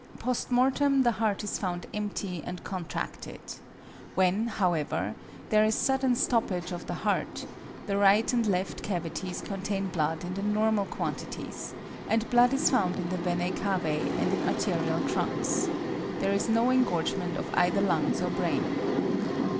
Post mortem the heart is found empty and contracted. When, however, there is sudden stoppage of the heart, the right and left cavities contain blood in the normal quantities, and blood is found in the venæ cavæ and in the arterial trunks. There is no engorgement of either lungs or brain.